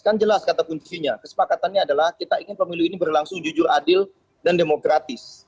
kan jelas kata kuncinya kesepakatannya adalah kita ingin pemilu ini berlangsung jujur adil dan demokratis